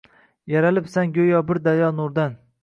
Yaralibsan go’yo bir daryo nurdan